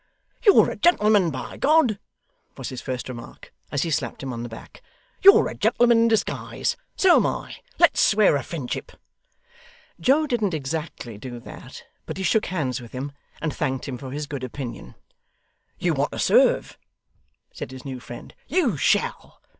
'You're a gentleman, by G !' was his first remark, as he slapped him on the back. 'You're a gentleman in disguise. So am I. Let's swear a friendship.' Joe didn't exactly do that, but he shook hands with him, and thanked him for his good opinion. 'You want to serve,' said his new friend. 'You shall.